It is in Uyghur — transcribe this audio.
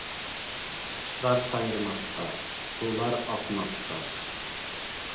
قۇشلار سايرىماقتا. سۇلار ئاقماقتا.